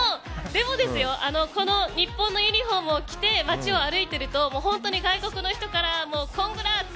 でも、日本のユニホームを着て街を歩いていると本当に外国の人からコングラーツ！